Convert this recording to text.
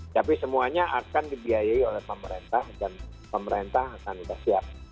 tapi semuanya akan dibiayai oleh pemerintah dan pemerintah akan sudah siap